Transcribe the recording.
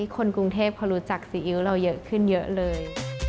คนกรุงเทพเขารู้จักซีอิ๊วเราเยอะขึ้นเยอะเลย